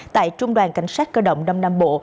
tại trung đoàn cảnh sát cơ động đông nam bộ